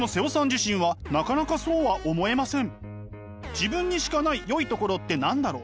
「自分にしかないよいところって何だろう？」。